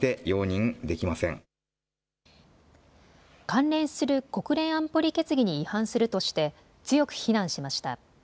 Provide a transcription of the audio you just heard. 関連する国連安保理決議に違反するとして強く非難しました。